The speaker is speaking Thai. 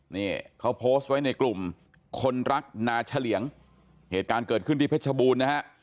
นี่เขาโพสต์ไว้ในกลุ่มคนรักนาเฉลี่ยงเหตุการณ์เกิดขึ้นที่เพชรบูรณ์นะฮะ